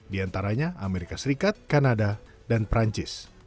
di antaranya amerika serikat kanada dan perancis